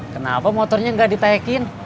kenapa motornya gak di pack in